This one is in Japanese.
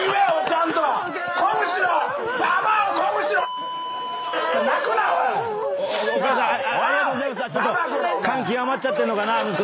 ちょっと感極まっちゃってんのかな？